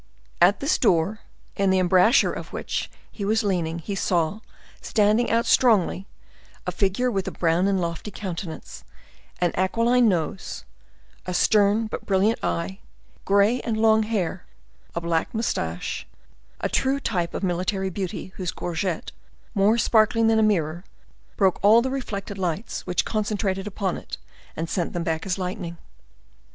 At this door, in the embrasure of which he was leaning, he saw, standing out strongly, a figure with a brown and lofty countenance, an aquiline nose, a stern but brilliant eye, gray and long hair, a black mustache, the true type of military beauty, whose gorget, more sparkling than a mirror, broke all the reflected lights which concentrated upon it, and sent them back as lightning.